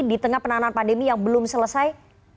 di tengah penanganan pandemi yang belum selesai